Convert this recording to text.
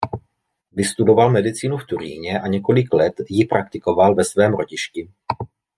Vystudoval medicínu v Turíně a několik let ji praktikoval ve svém rodišti.